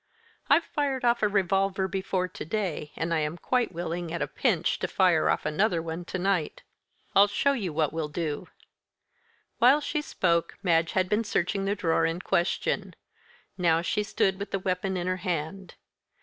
I've fired off a revolver before to day, and I am quite willing, at a pinch, to fire off another one to night. I'll show you what we'll do." While she spoke, Madge had been searching the drawer in question. Now she stood with the weapon in her hand.